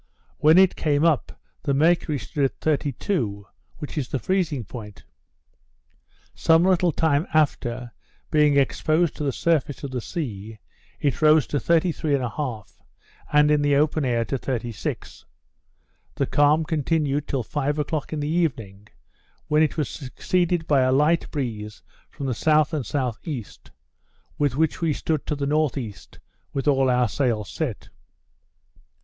When it came up, the mercury stood at 32, which is the freezing point. Some little time after, being exposed to the surface of the sea, it rose to 33 1/2, and in the open air to 36. The calm continued till five o'clock in the evening, when it was succeeded by a light breeze from the S. and S.E., with which we stood to the N.E. with all our sails set.